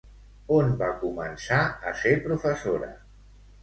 On va començar a ser professora?